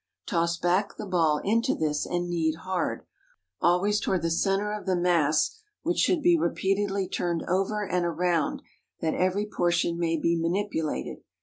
Toss back the ball into this, and knead hard—always toward the centre of the mass, which should be repeatedly turned over and around, that every portion may be manipulated.